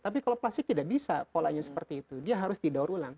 tapi kalau plastik tidak bisa polanya seperti itu dia harus didaur ulang